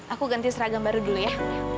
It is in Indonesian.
aku ganti seragam baru dulu ya